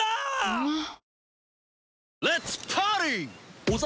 うまっ！！